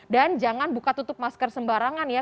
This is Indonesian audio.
dan jangan buka tutup masker sembarangan ya